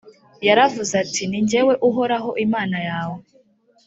yaravuze ati«ni jyewe uhoraho imana yawe